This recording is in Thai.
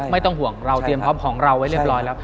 ไม่ต้องห่วงเราเตรียมพร้อมของเราไว้เรียบร้อยแล้ว